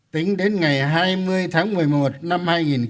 tính đến ngày hai mươi tháng một mươi một năm hai nghìn hai mươi